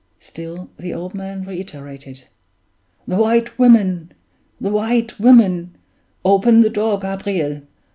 Still the old man reiterated, "The White Women! The White Women! Open the door, Gabriel!